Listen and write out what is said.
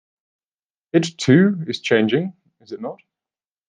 It, too, is changing, is it not?